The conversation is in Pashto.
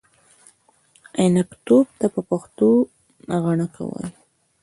عنکبوت ته په پښتو غڼکه وایې!